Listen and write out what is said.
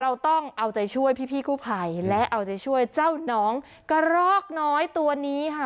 เราต้องเอาใจช่วยพี่กู้ภัยและเอาใจช่วยเจ้าน้องกระรอกน้อยตัวนี้ค่ะ